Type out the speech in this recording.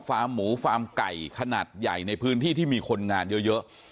หมูฟาร์มไก่ขนาดใหญ่ในพื้นที่ที่มีคนงานเยอะ